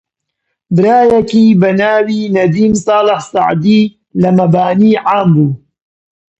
برایەکی بە ناوی نەدیم ساڵح سەعدی لە مەبانی عام بوو